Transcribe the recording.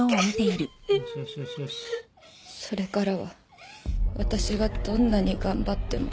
それからは私がどんなに頑張っても。